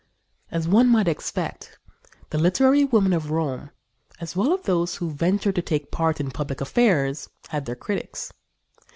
As one might expect, the literary women of Rome, as well as those who ventured to take part in public affairs, had their critics.